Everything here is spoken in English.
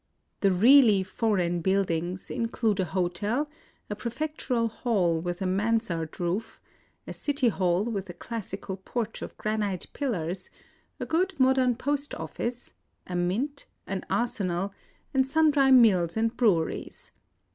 The really " for eign " buildings include a hotel, a prefectual hall with a mansard roof, a city hall with a classical porch of granite pillars, a good mod ern post office, a mint, an arsenal, and sundry IN OSAKA 145 mills and breweries.